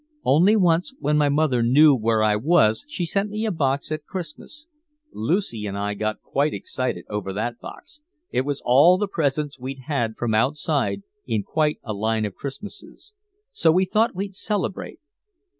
Only once when my mother knew where I was she sent me a box at Christmas. Lucy and I got quite excited over that box, it was all the presents we'd had from outside in quite a line of Christmases. So we thought we'd celebrate."